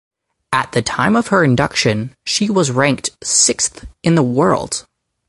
At the time of her induction she was ranked sixth in the world.